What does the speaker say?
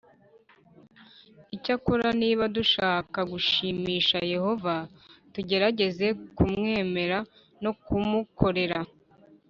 Icyakora niba dushaka gushimisha Yehova tujyerageze kumwemera no kumukorera